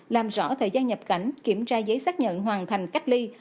làm rõ thời gian nhập cảnh kiểm tra giấy xác nhận hoàn thành cách ly